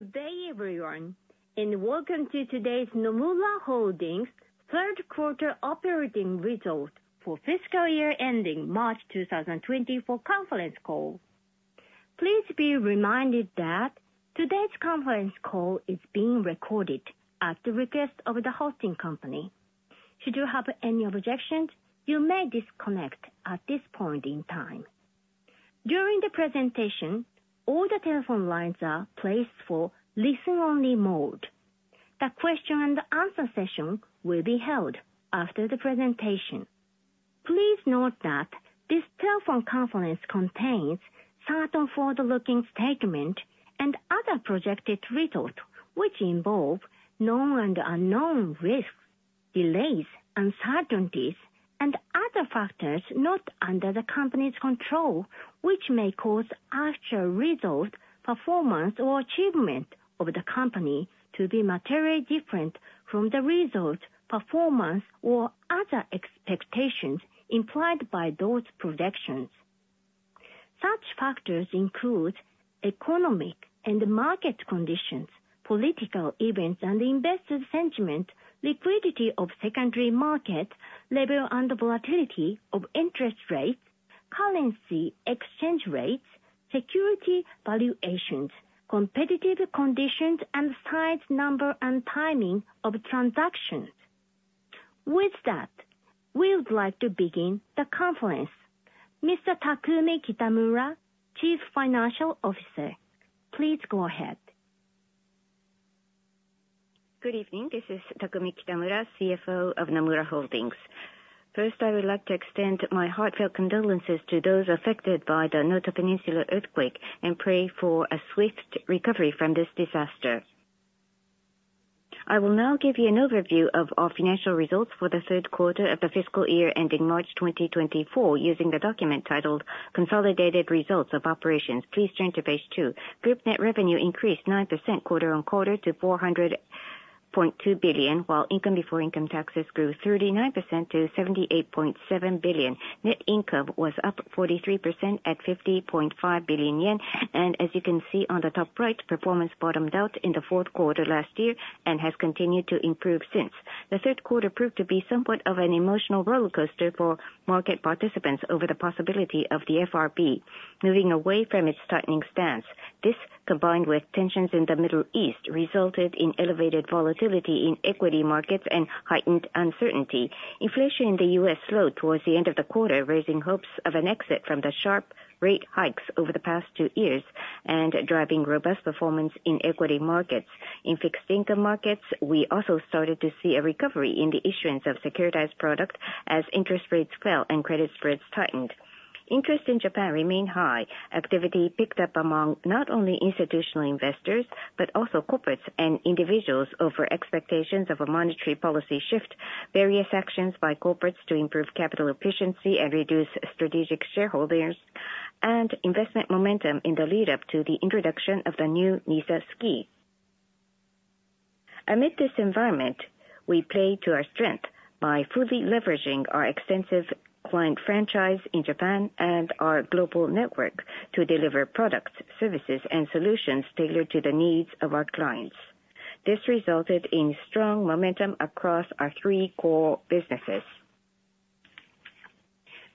Good day, everyone, and welcome to today's Nomura Holdings Q3 Operating Result for Fiscal Year ending March 2024 Conference Call. Please be reminded that today's conference call is being recorded at the request of the hosting company. Should you have any objections, you may disconnect at this point in time. During the presentation, all the telephone lines are placed for listen-only mode. The question and answer session will be held after the presentation. Please note that this telephone conference contains certain forward-looking statement and other projected results, which involve known and unknown risks, delays, uncertainties, and other factors not under the company's control, which may cause actual results, performance, or achievement of the company to be materially different from the results, performance, or other expectations implied by those projections. Such factors include economic and market conditions, political events and investor sentiment, liquidity of secondary market, level and volatility of interest rates, currency exchange rates, security valuations, competitive conditions, and size, number, and timing of transactions. With that, we would like to begin the conference. Mr. Takumi Kitamura, Chief Financial Officer, please go ahead. Good evening. This is Takumi Kitamura, CFO of Nomura Holdings. First, I would like to extend my heartfelt condolences to those affected by the Noto Peninsula earthquake and pray for a swift recovery from this disaster. I will now give you an overview of our financial results for the Q3 of the fiscal year ending March 2024, using the document titled Consolidated Results of Operations. Please turn to page two. Group net revenue increased 9% quarter-on-quarter to 400.2 billion, while income before income taxes grew 39% to 78.7 billion. Net income was up 43% at 50.5 billion yen, and as you can see on the top right, performance bottomed out in the Q4 last year and has continued to improve since. The Q3 proved to be somewhat of an emotional rollercoaster for market participants over the possibility of the FRB moving away from its tightening stance. This, combined with tensions in the Middle East, resulted in elevated volatility in equity markets and heightened uncertainty. Inflation in the U.S. slowed towards the end of the quarter, raising hopes of an exit from the sharp rate hikes over the past two years and driving robust performance in equity markets. In fixed income markets, we also started to see a recovery in the issuance of securitized product as interest rates fell and credit spreads tightened. Interest in Japan remained high. Activity picked up among not only institutional investors, but also corporates and individuals over expectations of a monetary policy shift, various actions by corporates to improve capital efficiency and reduce strategic shareholders, and investment momentum in the lead-up to the introduction of the new NISA scheme. Amid this environment, we play to our strength by fully leveraging our extensive client franchise in Japan and our global network to deliver products, services, and solutions tailored to the needs of our clients. This resulted in strong momentum across our three core businesses.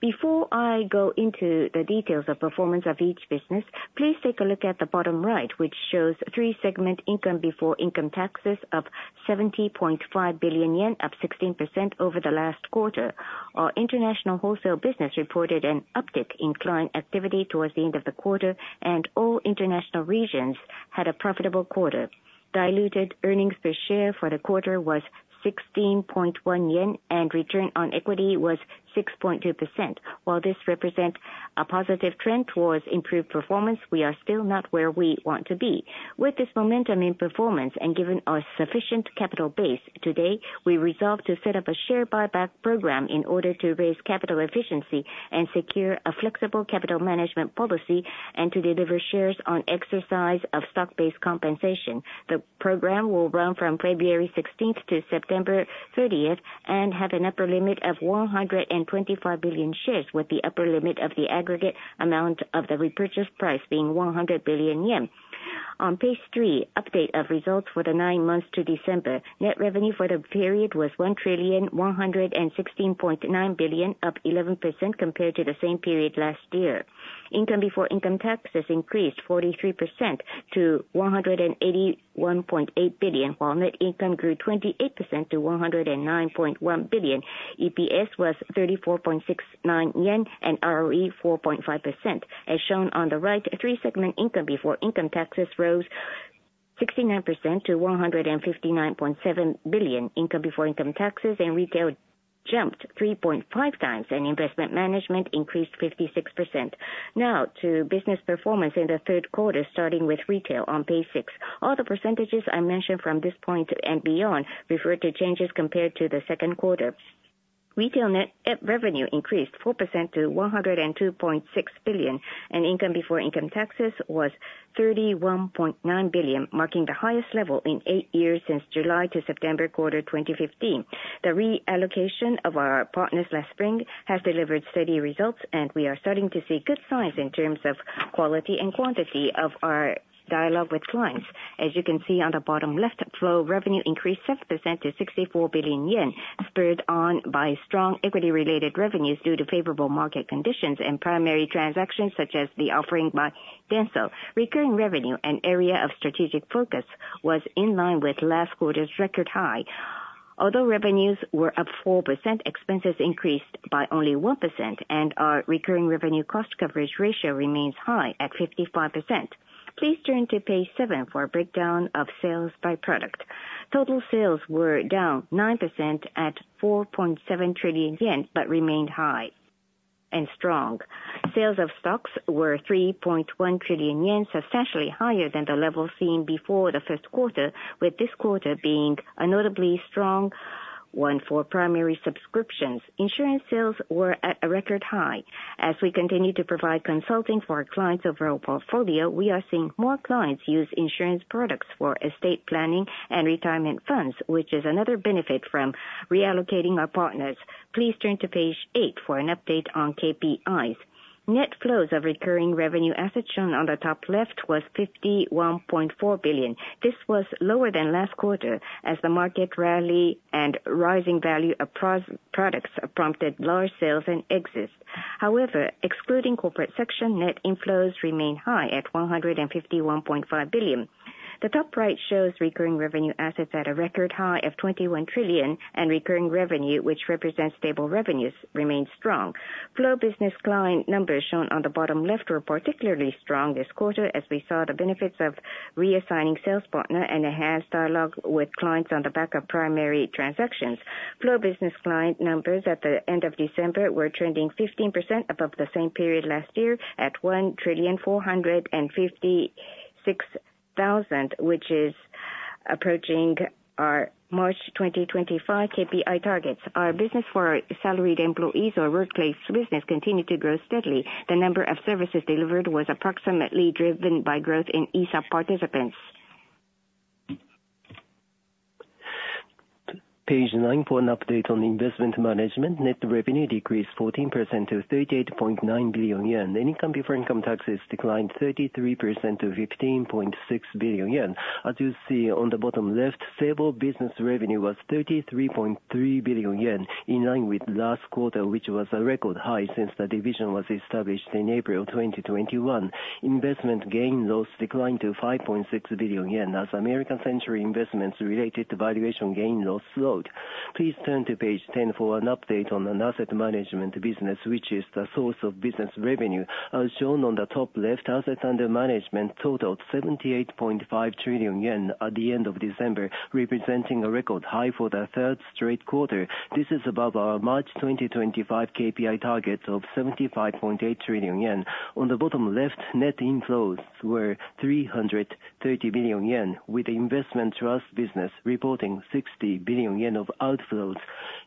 Before I go into the details of performance of each business, please take a look at the bottom right, which shows three-segment income before income taxes of 70.5 billion yen, up 16% over the last quarter. Our international wholesale business reported an uptick in client activity towards the end of the quarter, and all international regions had a profitable quarter. Diluted earnings per share for the quarter was 16.1 yen, and return on equity was 6.2%. While this represent a positive trend towards improved performance, we are still not where we want to be. With this momentum in performance and given our sufficient capital base, today, we resolve to set up a share buyback program in order to raise capital efficiency and secure a flexible capital management policy and to deliver shares on exercise of stock-based compensation. The program will run from February 16th to September 30th and have an upper limit of 125 billion shares, with the upper limit of the aggregate amount of the repurchase price being 100 billion yen. On page three, update of results for the nine months to December. Net revenue for the period was 1,116.9 billion, up 11% compared to the same period last year. Income before income taxes increased 43% to JPY 181.8 billion, while net income grew 28% to JPY 109.1 billion. EPS was 34.69 yen and ROE 4.5%. As shown on the right, three-segment income before income taxes rose 69% to 159.7 billion. Income before income taxes in retail jumped 3.5x, and investment management increased 56%. Now to business performance in the Q3, starting with retail on page six. All the percentages I mention from this point and beyond refer to changes compared to the Q2. Retail net revenue increased 4% to 102.6 billion, and income before income taxes was 31.9 billion, marking the highest level in eight years since July to September quarter, 2015. The reallocation of our partners last spring has delivered steady results, and we are starting to see good signs in terms of quality and quantity of our dialogue with clients. As you can see on the bottom left, flow revenue increased 7% to 64 billion yen, spurred on by strong equity-related revenues due to favorable market conditions and primary transactions, such as the offering by DENSO. Recurring revenue, an area of strategic focus, was in line with last quarter's record high. Although revenues were up 4%, expenses increased by only 1%, and our recurring revenue cost coverage ratio remains high at 55%. Please turn to page seven for a breakdown of sales by product. Total sales were down 9% at 4.7 trillion yen, but remained high and strong. Sales of stocks were 3.1 trillion yen, substantially higher than the level seen before the Q1, with this quarter being a notably strong one for primary subscriptions. Insurance sales were at a record high. As we continue to provide consulting for our clients overall portfolio, we are seeing more clients use insurance products for estate planning and retirement funds, which is another benefit from reallocating our partners. Please turn to page 8 for an update on KPIs. Net flows of recurring revenue assets shown on the top left was 51.4 billion. This was lower than last quarter, as the market rally and rising value of pros products prompted large sales and exits. However, excluding corporate section, net inflows remain high at 151.5 billion. The top right shows recurring revenue assets at a record high of 21 trillion, and recurring revenue, which represents stable revenues, remains strong. Flow business client numbers shown on the bottom left were particularly strong this quarter, as we saw the benefits of reassigning sales partner and enhanced dialogue with clients on the back of primary transactions. Flow business client numbers at the end of December were trending 15% above the same period last year, at 1,000,000,456,000, which is approaching our March 2025 KPI targets. Our business for salaried employees or workplace business continued to grow steadily. The number of services delivered was approximately driven by growth in NISA participants. Page nine, for an update on Investment Management, net revenue decreased 14% to 38.9 billion yen, and income before income taxes declined 33% to 15.6 billion yen. As you see on the bottom left, stable business revenue was 33.3 billion yen, in line with last quarter, which was a record high since the division was established in April 2021. Investment gain loss declined to 5.6 billion yen, as American Century Investments related to valuation gain loss slowed. Please turn to page 10 for an update on an Asset Management business, which is the source of business revenue. As shown on the top left, assets under management totaled 78.5 trillion yen at the end of December, representing a record high for the third straight quarter. This is above our March 2025 KPI targets of 75.8 trillion yen. On the bottom left, net inflows were 330 billion yen, with the investment trust business reporting 60 billion yen of outflows.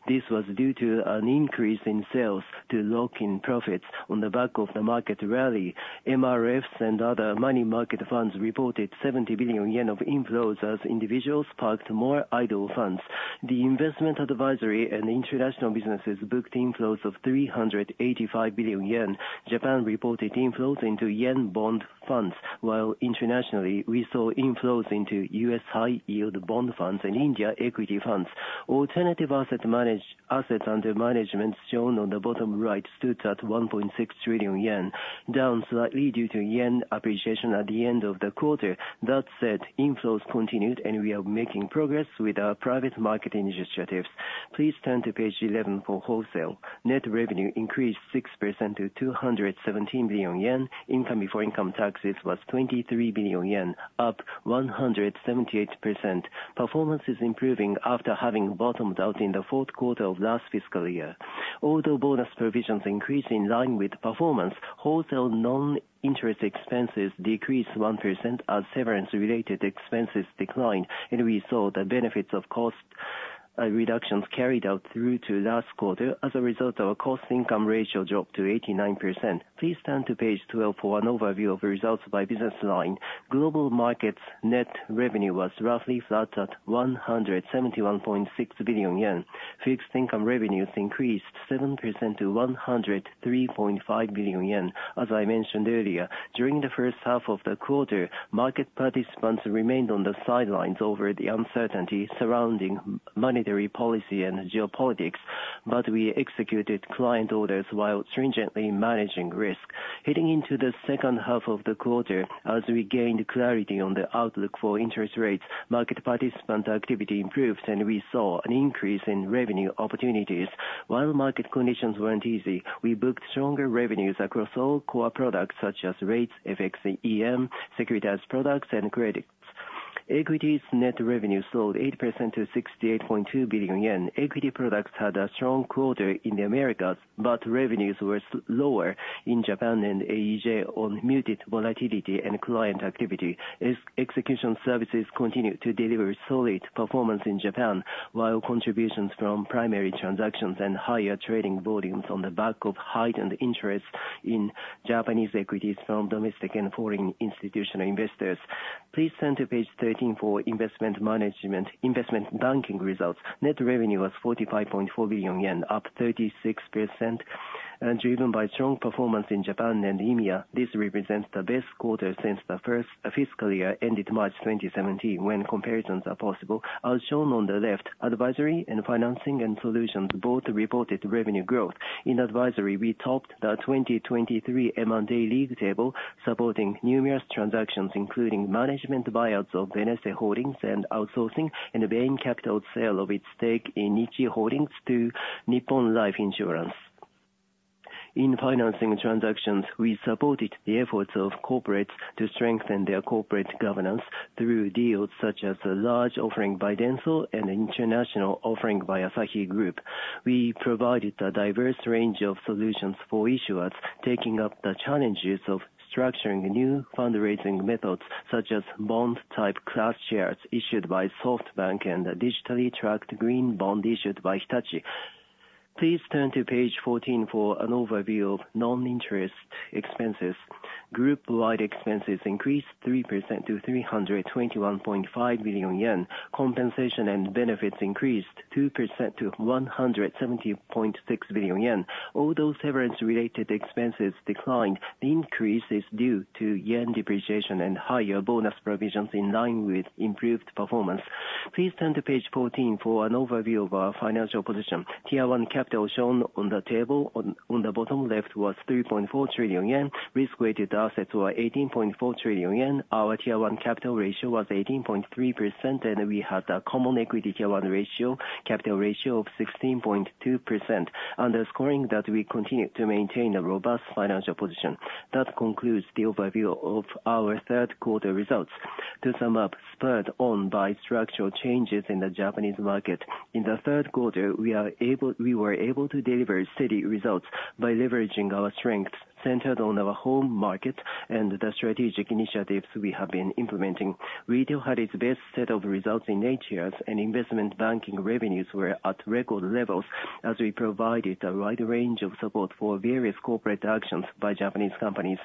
This was due to an increase in sales to lock in profits on the back of the market rally. MRFs and other money market funds reported 70 billion yen of inflows as individuals parked more idle funds. The investment advisory and international businesses booked inflows of 385 billion yen. Japan reported inflows into yen bond funds, while internationally, we saw inflows into U.S. high yield bond funds and India equity funds. Alternative assets under management shown on the bottom right, stood at 1.6 trillion yen, down slightly due to yen appreciation at the end of the quarter. That said, inflows continued, and we are making progress with our private market initiatives. Please turn to page 11 for wholesale. Net revenue increased 6% to 217 billion yen. Income before income taxes was 23 billion yen, up 178%. Performance is improving after having bottomed out in the Q4 of last fiscal year. Although bonus provisions increased in line with performance, wholesale non-interest expenses decreased 1%, as severance-related expenses declined, and we saw the benefits of cost reductions carried out through to last quarter. As a result, our cost income ratio dropped to 89%. Please turn to page 12 for an overview of the results by business line. Global markets net revenue was roughly flat at 171.6 billion yen. Fixed income revenues increased 7% to 103.5 billion yen. As I mentioned earlier, during the H1 of the quarter, market participants remained on the sidelines over the uncertainty surrounding monetary policy and geopolitics, but we executed client orders while stringently managing risk. Heading into the H2 of the quarter, as we gained clarity on the outlook for interest rates, market participant activity improved, and we saw an increase in revenue opportunities. While market conditions weren't easy, we booked stronger revenues across all core products, such as Rates FX/EM, securitized products, and credits. Equities net revenue fell 8% to 68.2 billion yen. Equity products had a strong quarter in the Americas, but revenues were lower in Japan and AEJ on muted volatility and client activity. Execution services continued to deliver solid performance in Japan, while contributions from primary transactions and higher trading volumes on the back of heightened interest in Japanese equities from domestic and foreign institutional investors. Please turn to page 13 for Investment Management, Investment Banking results. Net revenue was 45.4 billion yen, up 36%, and driven by strong performance in Japan and India. This represents the best quarter since the first fiscal year ended March 2017, when comparisons are possible. As shown on the left, Advisory and Financing and Solutions both reported revenue growth. In Advisory, we topped the 2023 M&A league table, supporting numerous transactions, including management buyouts of Benesse Holdings and Outsourcing, and the Bain Capital sale of its stake in Nichii Holdings to Nippon Life Insurance. In financing transactions, we supported the efforts of corporates to strengthen their corporate governance through deals such as a large offering by DENSO and an international offering by Asahi Group. We provided a diverse range of solutions for issuers, taking up the challenges of structuring new fundraising methods, such as bond-type class shares issued by SoftBank and a digitally tracked green bond issued by Hitachi. Please turn to page 14 for an overview of non-interest expenses. Group-wide expenses increased 3% to 321.5 billion yen. Compensation and benefits increased 2% to 170.6 billion yen. Although severance-related expenses declined, the increase is due to yen depreciation and higher bonus provisions in line with improved performance. Please turn to page 14 for an overview of our financial position. Tier 1 capital shown on the table on the bottom left was 3.4 trillion yen. Risk-weighted assets were 18.4 trillion yen. Our Tier 1 capital ratio was 18.3%, and we had a common equity Tier 1 capital ratio of 16.2%, underscoring that we continue to maintain a robust financial position. That concludes the overview of our Q3 results. To sum up, spurred on by structural changes in the Japanese market, in the Q3, we were able to deliver steady results by leveraging our strengths centered on our home market and the strategic initiatives we have been implementing. Retail had its best set of results in eight years, and investment banking revenues were at record levels as we provided a wide range of support for various corporate actions by Japanese companies.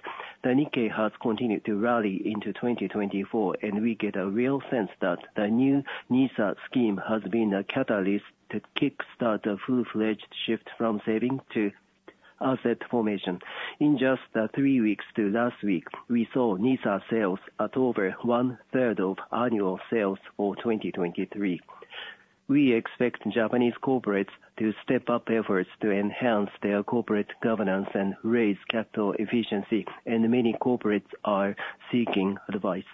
The Nikkei has continued to rally into 2024, and we get a real sense that the new NISA scheme has been a catalyst to kick-start a full-fledged shift from saving to asset formation. In just the three weeks to last week, we saw NISA sales at over 1/3 of annual sales for 2023. We expect Japanese corporates to step up efforts to enhance their corporate governance and raise capital efficiency, and many corporates are seeking advice.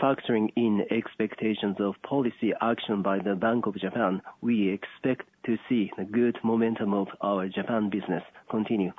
Factoring in expectations of policy action by the Bank of Japan, we expect to see the good momentum of our Japan business continue.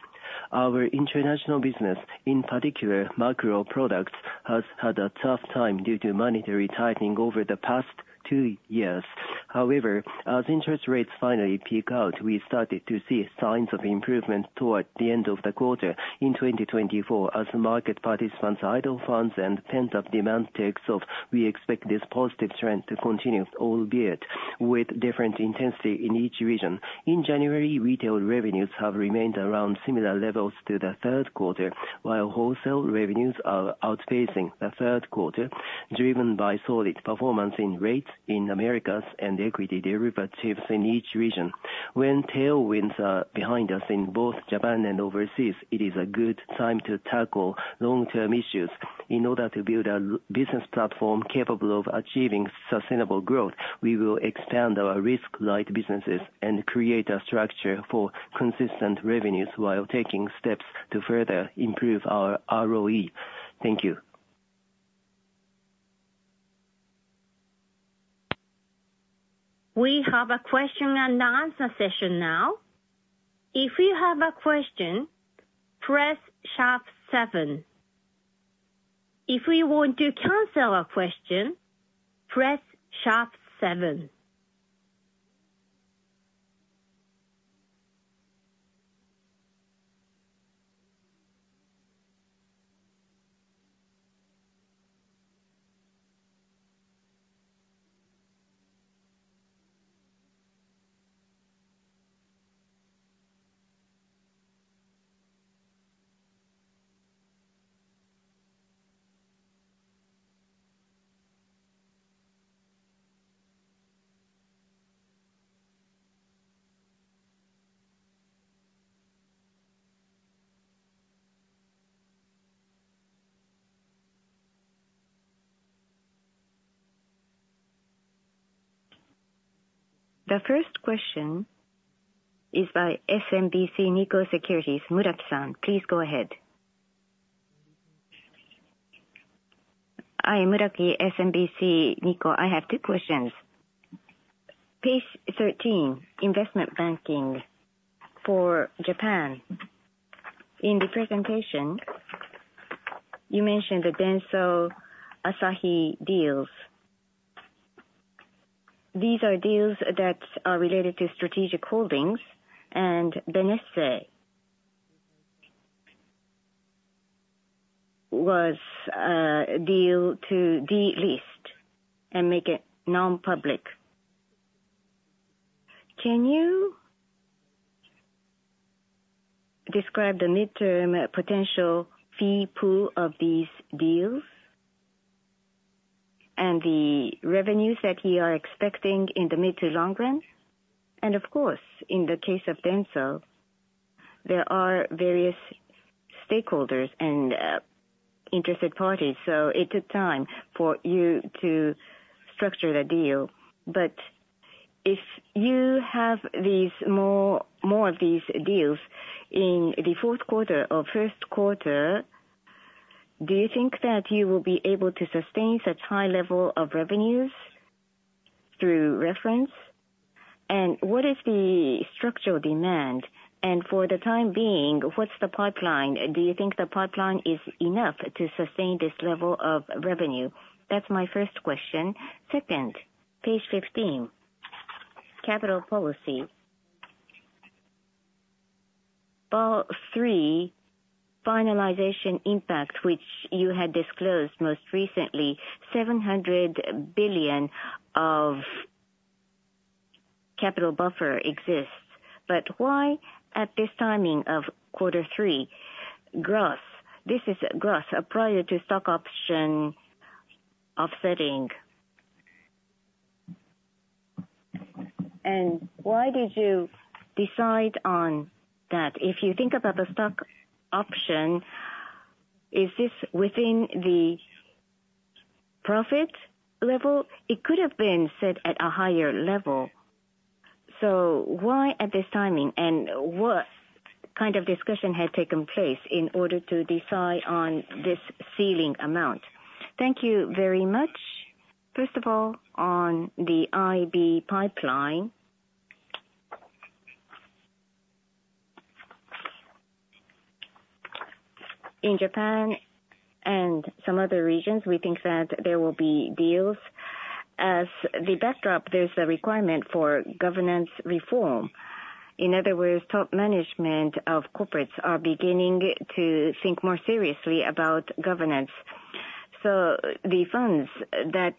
Our international business, in particular, macro products, has had a tough time due to monetary tightening over the past two years. However, as interest rates finally peak out, we started to see signs of improvement towards the end of the quarter in 2024. As market participants idle funds and pent-up demand takes off, we expect this positive trend to continue, albeit with different intensity in each region. In January, retail revenues have remained around similar levels to the Q3, while wholesale revenues are outpacing the Q3, driven by solid performance in rates in Americas and equity derivatives in each region. When tailwinds are behind us in both Japan and overseas, it is a good time to tackle long-term issues. In order to build a long-term business platform capable of achieving sustainable growth, we will expand our risk-light businesses and create a structure for consistent revenues while taking steps to further improve our ROE. Thank you. We have a question and answer session now. If you have a question, press sharp seven. If you want to cancel a question, press sharp seven. The first question is by SMBC Nikko Securities, Muraki-san, please go ahead. Hi, Muraki, SMBC Nikko. I have two questions. Page 13, investment banking for Japan. In the presentation, you mentioned the DENSO Asahi deals. These are deals that are related to strategic holdings, and Benesse was a deal to delist and make it non-public. Can you describe the midterm potential fee pool of these deals and the revenues that you are expecting in the mid to long run? And of course, in the case of DENSO, there are various stakeholders and interested parties, so it took time for you to structure the deal. But if you have more of these deals in the Q4 or Q1, do you think that you will be able to sustain such high level of revenues through reference? And what is the structural demand? And for the time being, what's the pipeline? Do you think the pipeline is enough to sustain this level of revenue? That's my first question. Second, page 15, capital policy. Part three, finalization impact, which you had disclosed most recently, 700 billion of capital buffer exists. But why at this timing of Q3? Gross, this is gross, prior to stock option offsetting. And why did you decide on that? If you think about the stock option, is this within the profit level? It could have been set at a higher level. So why at this timing? And what kind of discussion had taken place in order to decide on this ceiling amount? Thank you very much. First of all, on the IB pipeline. In Japan and some other regions, we think that there will be deals. As the backdrop, there's a requirement for governance reform. In other words, top management of corporates are beginning to think more seriously about governance. So the funds that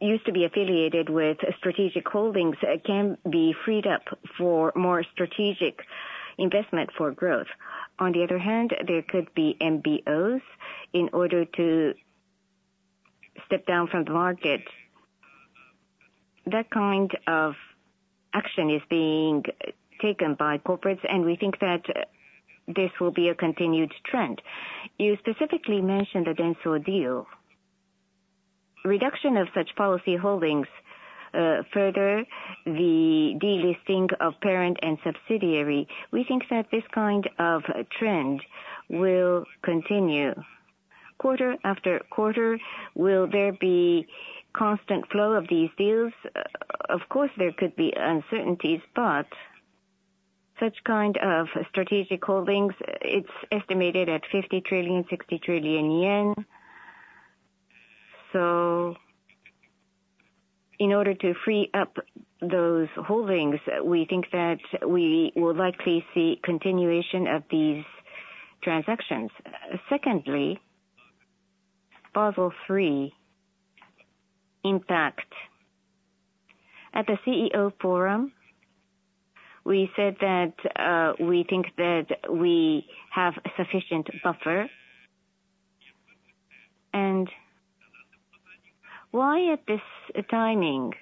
used to be affiliated with strategic holdings can be freed up for more strategic investment for growth. On the other hand, there could be MBOs in order to step down from the market. That kind of action is being taken by corporates, and we think that this will be a continued trend. You specifically mentioned the DENSO deal. Reduction of such policy holdings, further the delisting of parent and subsidiary, we think that this kind of trend will continue. Quarter after quarter, will there be constant flow of these deals? Of course, there could be uncertainties, but such kind of strategic holdings, it's estimated at 50 trillion to 60 trillion yen. So in order to free up those holdings, we think that we will likely see continuation of these transactions. Secondly, Basel III impact. At the CEO forum, we said that, we think that we have sufficient buffer. And why at this timing?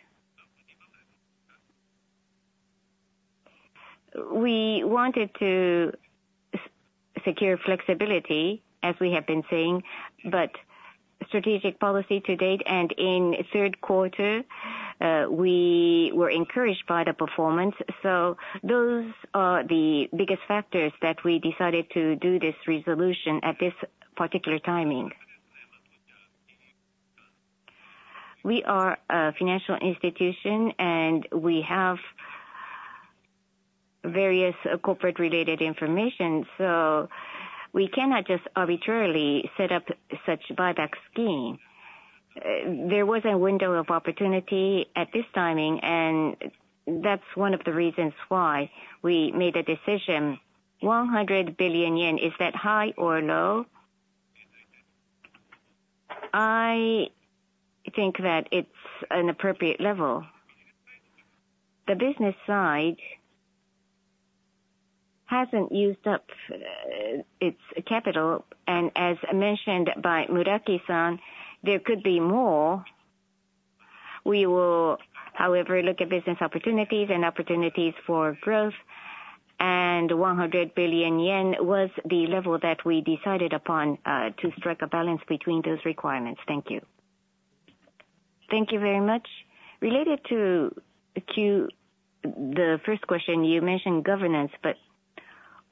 We wanted to secure flexibility, as we have been saying, but strategic policy to date and in Q3, we were encouraged by the performance. So those are the biggest factors that we decided to do this resolution at this particular timing. We are a financial institution, and we have various corporate-related information, so we cannot just arbitrarily set up such buyback scheme. There was a window of opportunity at this timing, and that's one of the reasons why we made a decision. 100 billion yen, is that high or low? I think that it's an appropriate level. The business side hasn't used up, its capital, and as mentioned by Muraki-san, there could be more. We will, however, look at business opportunities and opportunities for growth, and 100 billion yen was the level that we decided upon, to strike a balance between those requirements. Thank you. Thank you very much. Related to the first question, you mentioned governance, but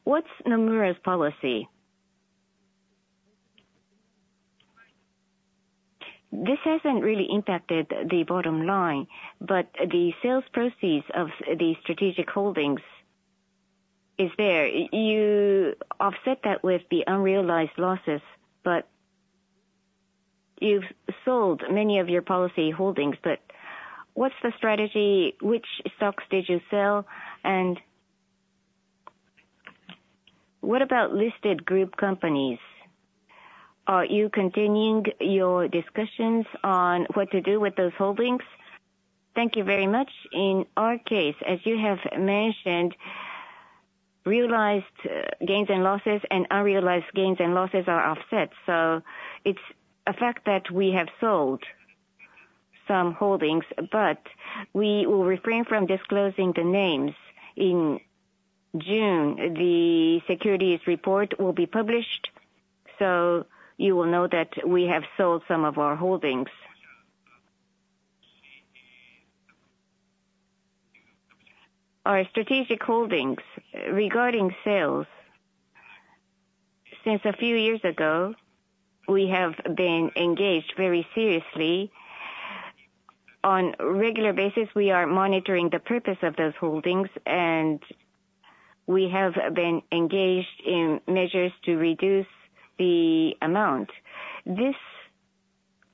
what's Nomura's policy? This hasn't really impacted the bottom line, but the sales proceeds of the strategic holdings is there. You offset that with the unrealized losses, but you've sold many of your policy holdings, but what's the strategy? Which stocks did you sell? And what about listed group companies? Are you continuing your discussions on what to do with those holdings? Thank you very much. In our case, as you have mentioned, realized gains and losses and unrealized gains and losses are offset. So it's a fact that we have sold some holdings, but we will refrain from disclosing the names. In June, the securities report will be published, so you will know that we have sold some of our holdings. Our strategic holdings regarding sales, since a few years ago, we have been engaged very seriously. On a regular basis, we are monitoring the purpose of those holdings, and we have been engaged in measures to reduce the amount. This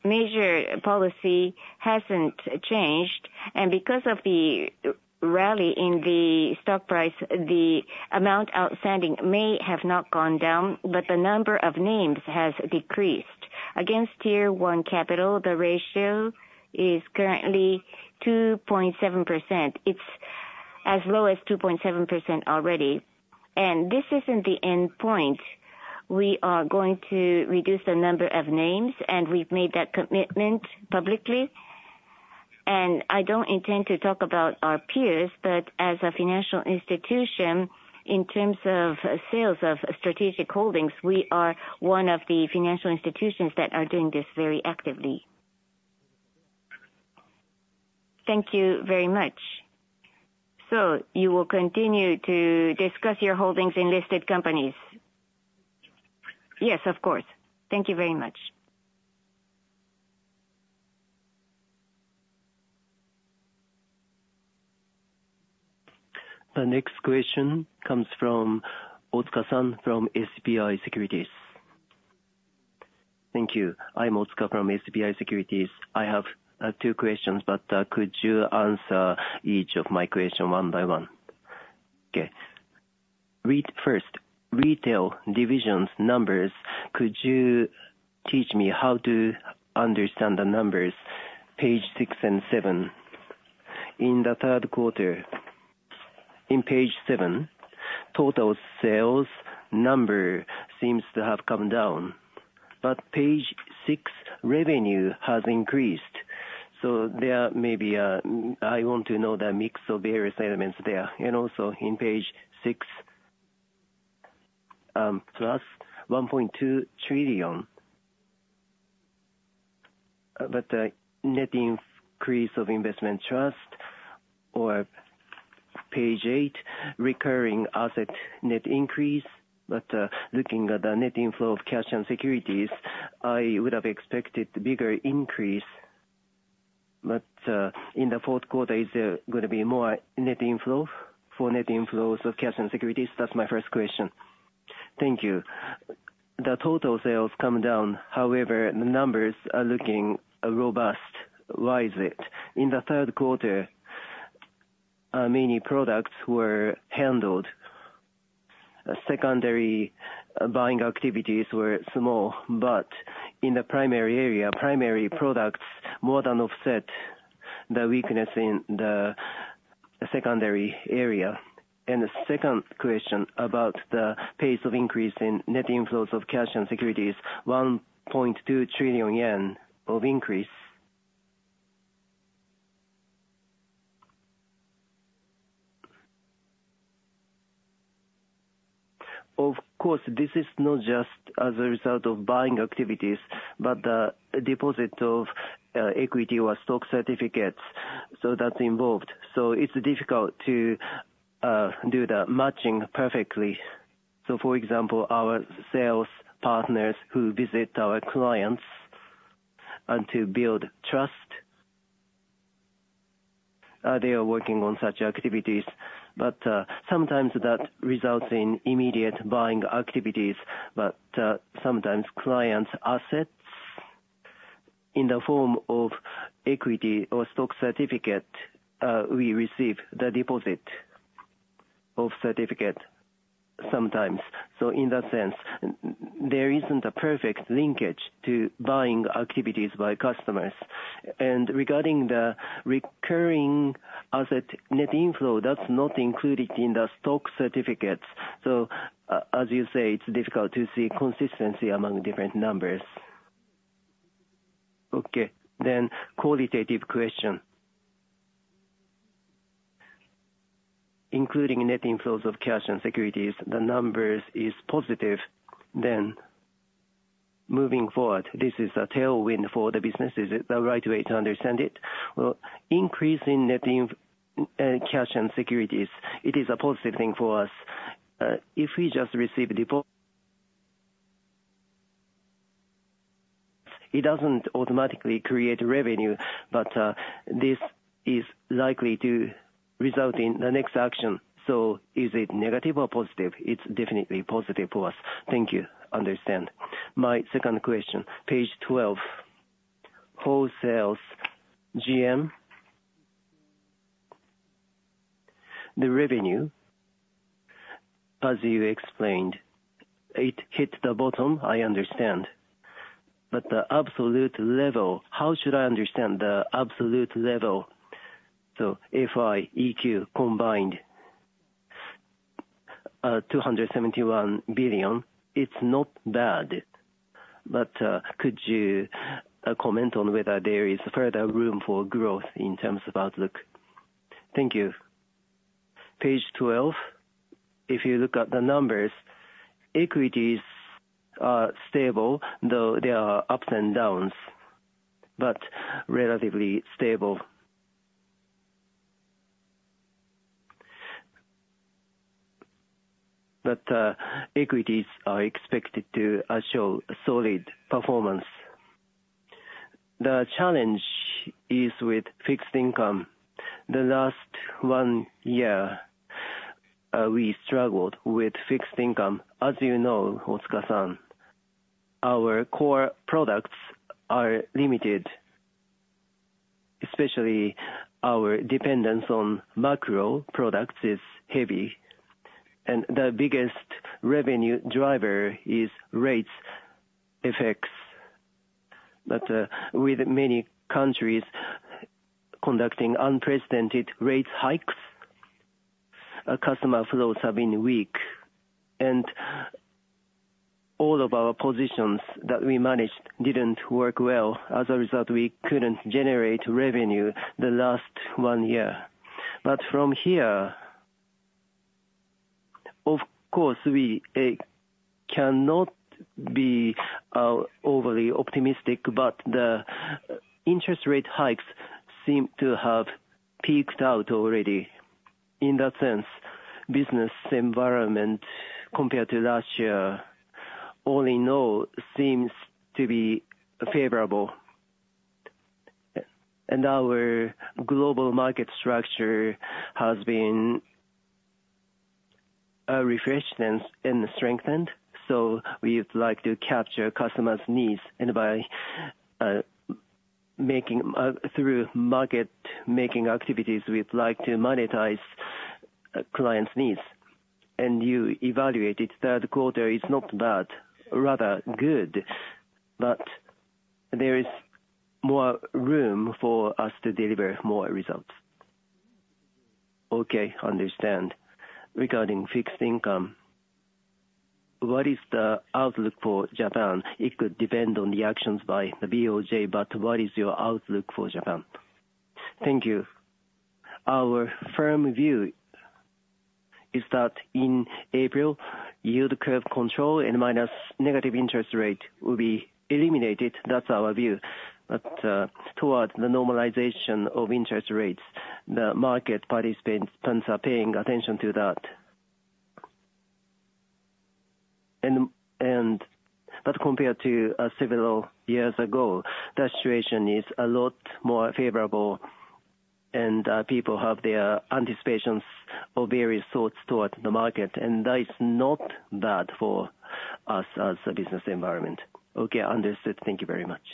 major policy hasn't changed, and because of the rally in the stock price, the amount outstanding may have not gone down, but the number of names has decreased. Against Tier 1 capital, the ratio is currently 2.7%. It's as low as 2.7% already, and this isn't the end point. We are going to reduce the number of names, and we've made that commitment publicly. I don't intend to talk about our peers, but as a financial institution, in terms of sales of strategic holdings, we are one of the financial institutions that are doing this very actively. Thank you very much. So you will continue to discuss your holdings in listed companies? Yes, of course. Thank you very much. The next question comes from Otsuka-san from SBI Securities. Thank you. I'm Otsuka from SBI Securities. I have two questions, but could you answer each of my question one by one? Okay. Read first, retail divisions numbers, could you teach me how to understand the numbers, page six and seven? In the Q3, in page seven, total sales number seems to have come down, but page six, revenue has increased. So there may be a, I want to know the mix of various elements there. And also in page six, plus JPY 1.2 trillion. But net increase of investment trust, or page eight, recurring asset net increase. But looking at the net inflow of cash and securities, I would have expected bigger increase. But, in the Q4, is there going to be more net inflow for net inflows of cash and securities? That's my first question. Thank you. The total sales come down, however, the numbers are looking, robust. Why is it? In the Q3, many products were handled. Secondary buying activities were small, but in the primary area, primary products more than offset the weakness in the secondary area. And the second question about the pace of increase in net inflows of cash and securities, 1.2 trillion JPY of increase. Of course, this is not just as a result of buying activities, but, deposit of, equity or stock certificates, so that's involved. So it's difficult to, do the matching perfectly. So for example, our sales partners who visit our clients and to build trust, they are working on such activities, but, sometimes that results in immediate buying activities. But, sometimes clients' assets in the form of equity or stock certificate, we receive the deposit of certificate sometimes. So in that sense, there isn't a perfect linkage to buying activities by customers. And regarding the recurring asset net inflow, that's not included in the stock certificates. So as you say, it's difficult to see consistency among different numbers. Okay, then qualitative question. Including net inflows of cash and securities, the numbers is positive. Then moving forward, this is a tailwind for the business. Is it the right way to understand it? Well, increase in net inflow, cash and securities, it is a positive thing for us. If we just receive deposit, it doesn't automatically create revenue, but, this is likely to result in the next action. So is it negative or positive? It's definitely positive for us. Thank you. Understand. My second question, page 12, Wholesale GM. The revenue, as you explained, it hit the bottom. I understand. But the absolute level, how should I understand the absolute level? So if I EQ combined, 271 billion, it's not bad, but, could you, comment on whether there is further room for growth in terms of outlook? Thank you. Page twelve, if you look at the numbers, equities are stable, though there are ups and downs, but relatively stable. But, equities are expected to show solid performance. The challenge is with fixed income. The last one year, we struggled with fixed income. As you know, Otsuka-san, our core products are limited, especially our dependence on macro products is heavy, and the biggest revenue driver is Rates FX. But, with many countries conducting unprecedented rate hikes, our customer flows have been weak, and all of our positions that we managed didn't work well. As a result, we couldn't generate revenue the last one year. But from here, of course, we cannot be overly optimistic, but the interest rate hikes seem to have peaked out already. In that sense, business environment, compared to last year, all in all, seems to be favorable. Our global market structure has been refreshed and strengthened, so we'd like to capture customers' needs, and by making through market-making activities, we'd like to monetize clients' needs. You evaluated Q3 is not bad, rather good, but there is more room for us to deliver more results. Okay. Understand. Regarding fixed income, what is the outlook for Japan? It could depend on the actions by the BOJ, but what is your outlook for Japan? Thank you. Our firm view is that in April, yield curve control and minus negative interest rate will be eliminated. That's our view. But towards the normalization of interest rates, the market participants are paying attention to that. But compared to several years ago, the situation is a lot more favorable, and people have their anticipations or various thoughts towards the market, and that is not bad for us as a business environment. Okay. Understood. Thank you very much.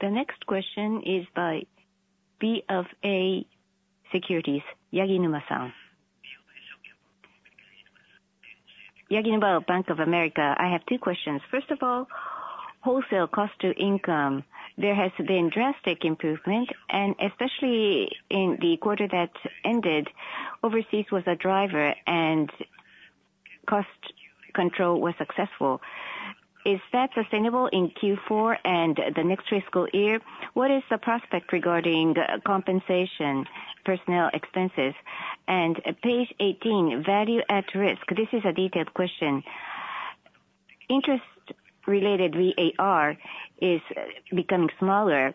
The next question is by BofA Securities, Yaginuma-san. Yaginuma, Bank of America. I have two questions. First of all, wholesale cost to income, there has been drastic improvement, and especially in the quarter that ended, overseas was a driver, and cost control was successful. Is that sustainable in Q4 and the next fiscal year? What is the prospect regarding compensation, personnel expenses? And page 18, Value at Risk. This is a detailed question. Interest-related VAR is becoming smaller.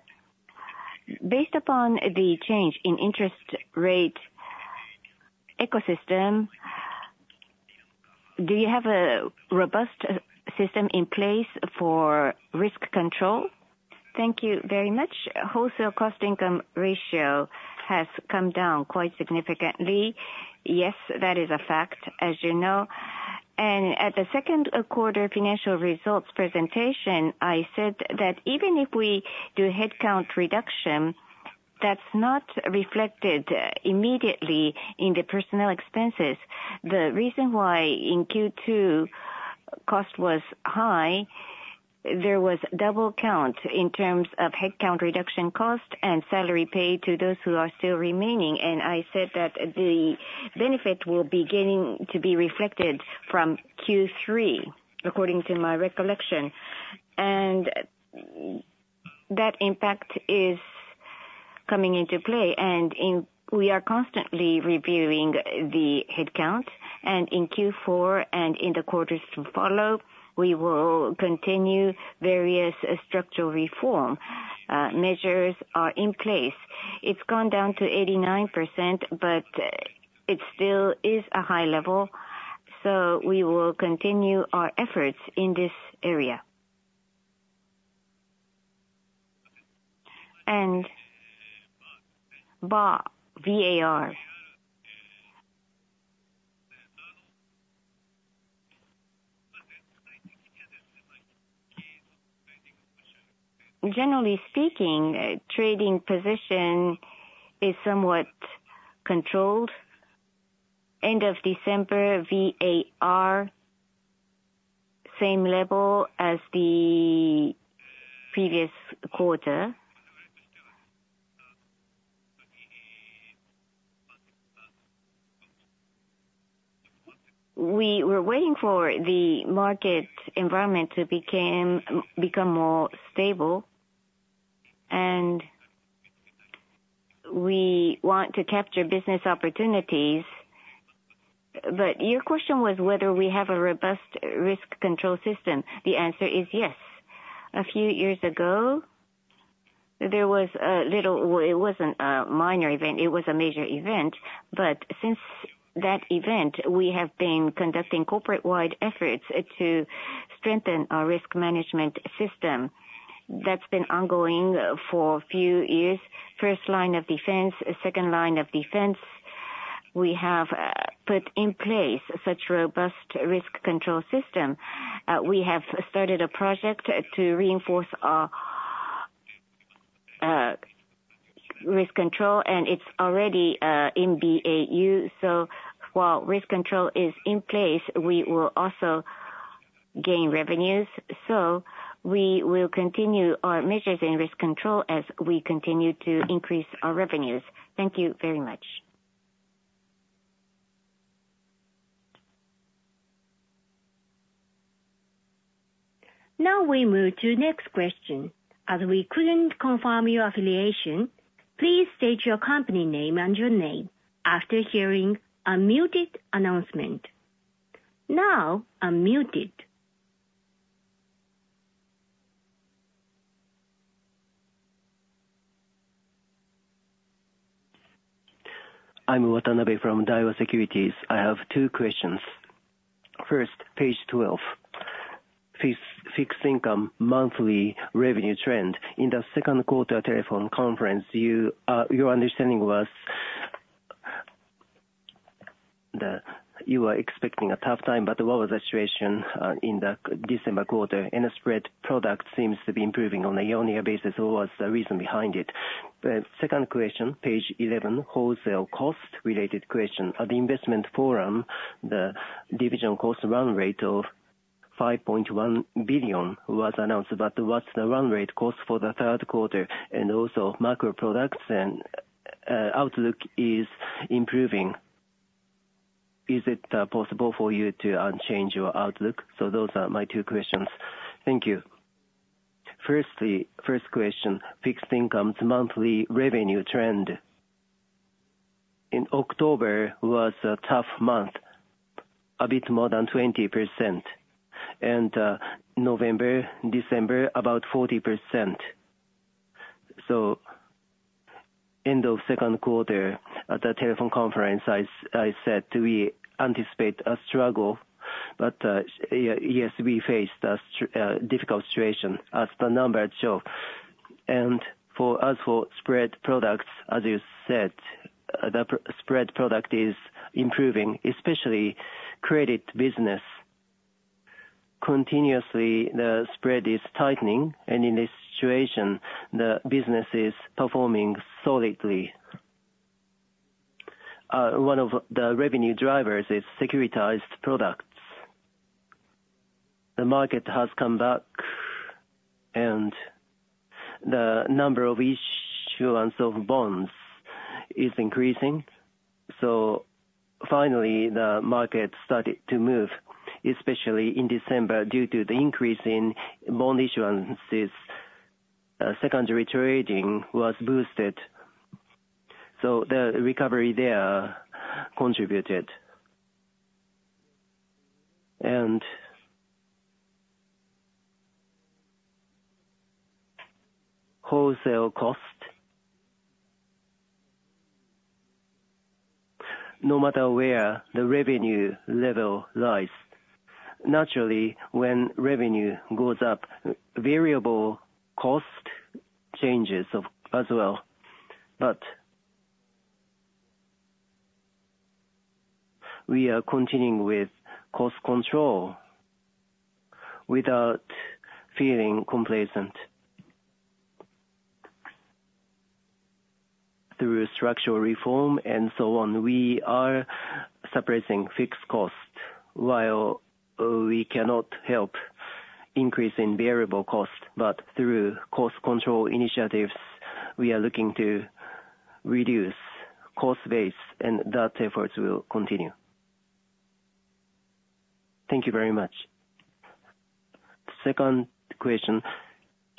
Based upon the change in interest rate ecosystem, do you have a robust system in place for risk control? Thank you very much. Wholesale cost income ratio has come down quite significantly. Yes, that is a fact, as you know, and at the Q2 financial results presentation, I said that even if we do headcount reduction, that's not reflected immediately in the personnel expenses. The reason why in Q2 cost was high, there was double count in terms of headcount reduction cost and salary paid to those who are still remaining. And I said that the benefit will beginning to be reflected from Q3, according to my recollection. And that impact is coming into play, and we are constantly reviewing the headcount, and in Q4 and in the quarters to follow, we will continue various structural reform. Measures are in place. It's gone down to 89%, but it still is a high level, so we will continue our efforts in this area. And VAR, generally speaking, trading position is somewhat controlled. End of December, VAR, same level as the previous quarter. We were waiting for the market environment to become more stable, and we want to capture business opportunities. But your question was whether we have a robust risk control system. The answer is yes. A few years ago, there was a little, well, it wasn't a minor event, it was a major event. But since that event, we have been conducting corporate-wide efforts to strengthen our risk management system. That's been ongoing for a few years. First line of defense, second line of defense, we have put in place such robust risk control system. We have started a project to reinforce our risk control, and it's already in BAU. So while risk control is in place, we will also gain revenues. So we will continue our measures in risk control as we continue to increase our revenues. Thank you very much. Now, we move to next question. As we couldn't confirm your affiliation, please state your company name and your name after hearing a muted announcement. Now, unmuted. I'm Watanabe from Daiwa Securities. I have two questions. First, page 12. Fixed income, monthly revenue trend. In the Q2 telephone conference, you were expecting a tough time, but what was the situation, in the December quarter? And the spread product seems to be improving on a year-on-year basis, what was the reason behind it? Second question, page 11, wholesale cost related question. At the investment forum, the division cost run rate of 5.1 billion was announced, but what's the run rate cost for the Q3? And also, macro products and, outlook is improving. Is it, possible for you to, change your outlook? So those are my two questions. Thank you. Firstly, first question. Fixed income's monthly revenue trend. In October was a tough month, a bit more than 20%. November, December, about 40%. So end of Q2, at the telephone conference, I said we anticipate a struggle. But yes, we faced a difficult situation as the numbers show. And as for spread products, as you said, the spread product is improving, especially credit business. Continuously, the spread is tightening, and in this situation, the business is performing solidly. One of the revenue drivers is securitized products. The market has come back, and the number of issuance of bonds is increasing. So finally, the market started to move, especially in December, due to the increase in bond issuances, secondary trading was boosted, so the recovery there contributed. Wholesale cost. No matter where the revenue level lies, naturally, when revenue goes up, variable cost changes of, as well. But we are continuing with cost control without feeling complacent. Through structural reform and so on, we are suppressing fixed costs, while we cannot help increase in variable cost. But through cost control initiatives, we are looking to reduce cost base, and that efforts will continue. Thank you very much. Second question,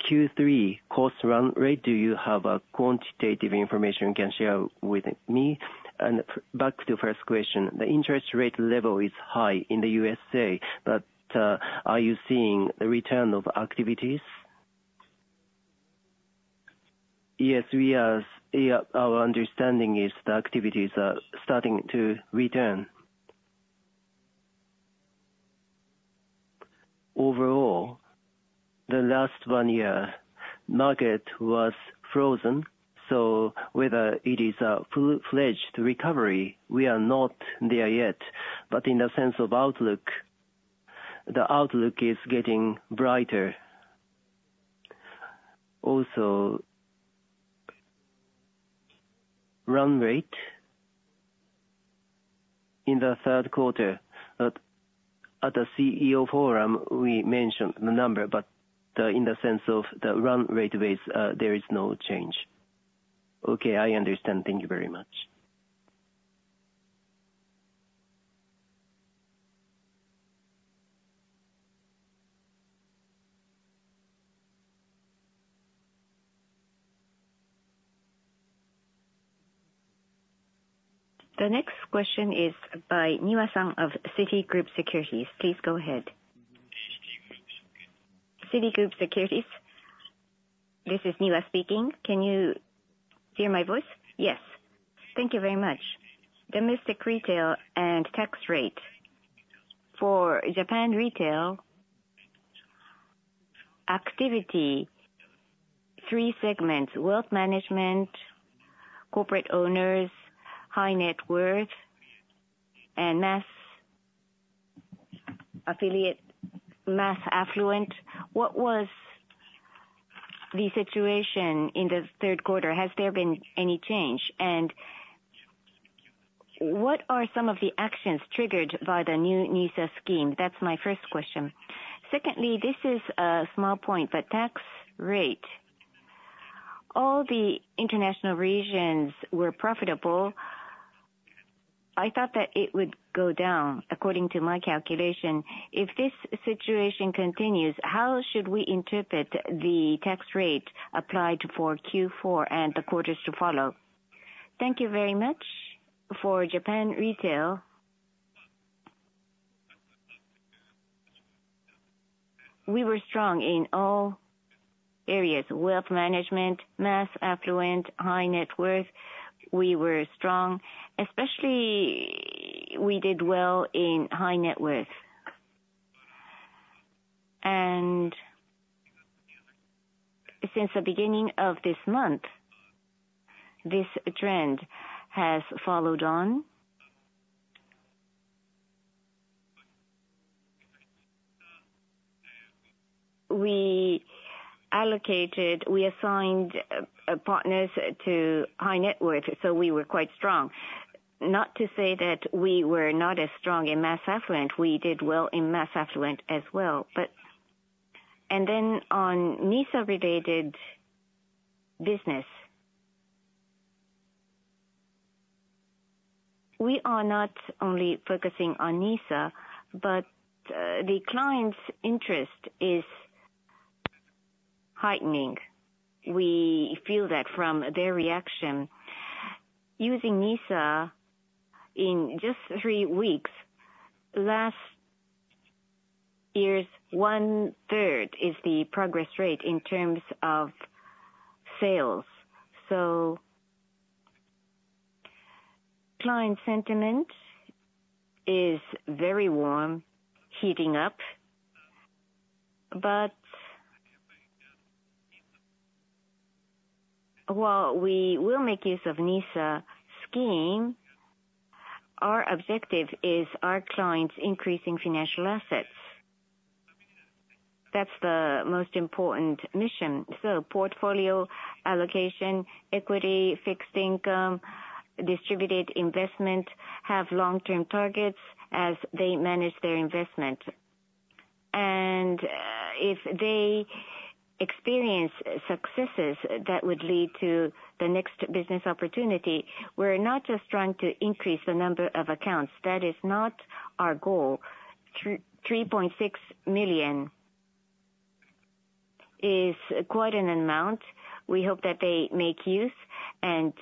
Q3 cost run rate, do you have a quantitative information you can share with me? And back to first question, the interest rate level is high in the USA, but are you seeing a return of activities?... Yes, we are, yeah, our understanding is the activities are starting to return. Overall, the last one year, market was frozen, so whether it is a full-fledged recovery, we are not there yet. But in the sense of outlook, the outlook is getting brighter. Also, run rate in the Q3, at the CEO forum, we mentioned the number, but in the sense of the run rate base, there is no change. Okay, I understand. Thank you very much. The next question is by Niwa-san of Citigroup Securities. Please go ahead. Citigroup Securities, this is Niwa speaking. Can you hear my voice? Yes. Thank you very much. Domestic retail and tax rate for Japan Retail, activity, three segments, Wealth Management, corporate owners, high net worth, and mass affiliate, mass affluent. What was the situation in the Q3? Has there been any change? What are some of the actions triggered by the new NISA scheme? That's my first question. Secondly, this is a small point, but tax rate, all the international regions were profitable. I thought that it would go down, according to my calculation. If this situation continues, how should we interpret the tax rate applied for Q4 and the quarters to follow? Thank you very much. For Japan Retail, we were strong in all areas, wealth management, mass affluent, high net worth. We were strong, especially we did well in high net worth. And since the beginning of this month, this trend has followed on. We allocated, we assigned, partners to high net worth, so we were quite strong. Not to say that we were not as strong in mass affluent, we did well in mass affluent as well. Then on NISA-related business, we are not only focusing on NISA, but the client's interest is heightening. We feel that from their reaction. Using NISA, in just three weeks, last year's 1/3 is the progress rate in terms of sales. So client sentiment is very warm, heating up. But while we will make use of NISA scheme, our objective is our clients increasing financial assets. That's the most important mission. So portfolio allocation, equity, fixed income, distributed investment, have long-term targets as they manage their investment. And if they experience successes that would lead to the next business opportunity, we're not just trying to increase the number of accounts. That is not our goal. Three point six million is quite an amount. We hope that they make use, and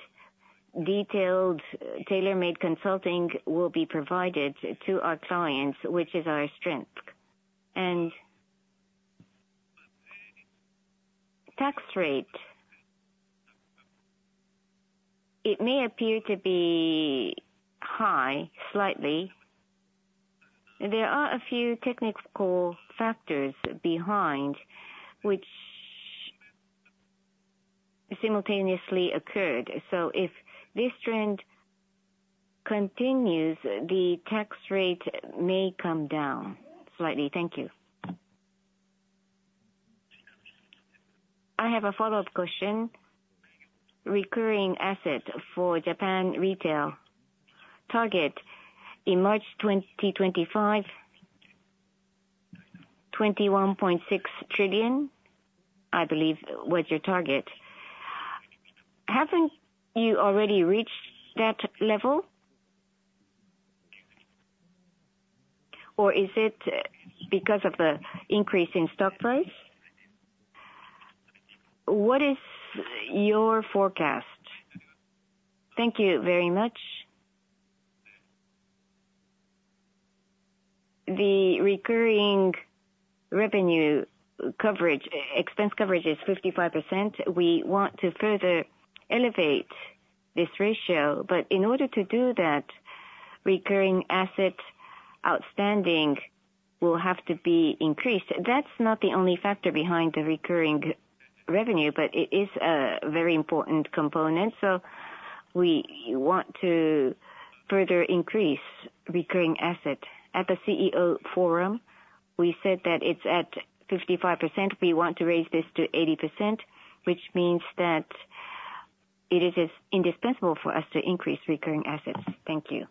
detailed tailor-made consulting will be provided to our clients, which is our strength. And tax rate, it may appear to be high, slightly. There are a few technical factors behind which simultaneously occurred. So if this trend continues, the tax rate may come down slightly. Thank you. I have a follow-up question. Recurring asset for Japan Retail, target in March 2025, 21.6 trillion, I believe, was your target. Haven't you already reached that level? Or is it because of the increase in stock price? What is your forecast? Thank you very much. The recurring revenue coverage, expense coverage is 55%. We want to further elevate this ratio, but in order to do that, recurring asset outstanding will have to be increased. That's not the only factor behind the recurring revenue, but it is a very important component, so we want to further increase recurring asset. At the CEO forum, we said that it's at 55%. We want to raise this to 80%, which means that it is as indispensable for us to increase recurring assets. Thank you.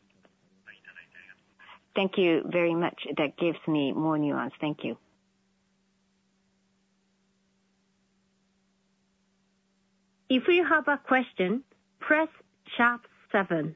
Thank you very much. That gives me more nuance. Thank you. If you have a question, press sharp seven.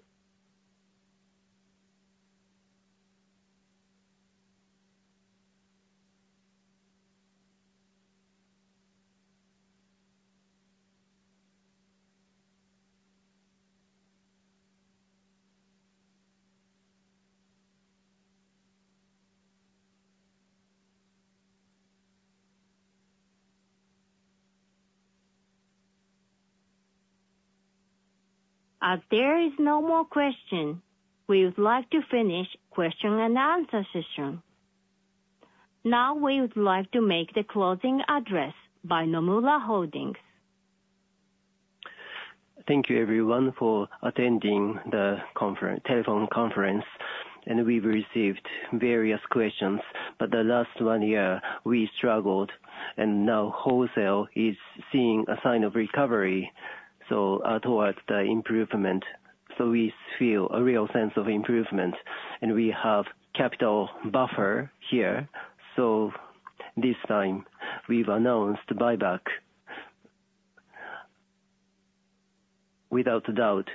As there is no more question, we would like to finish question and answer session. Now, we would like to make the closing address by Nomura Holdings. Thank you, everyone, for attending the conference, telephone conference, and we've received various questions. But the last one year, we struggled, and now Wholesale is seeing a sign of recovery towards the improvement. We feel a real sense of improvement, and we have capital buffer here. So this time, we've announced buyback. Without a doubt,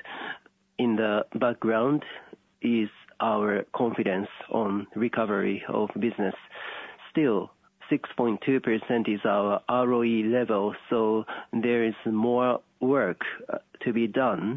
in the background is our confidence on recovery of business. Still, 6.2% is our ROE level, so there is more work to be done.